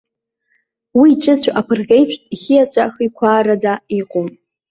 Уи, иҿыцәо аԥырӷеиԥш, ихиаҵәа-хиқәарааӡа иҟоуп.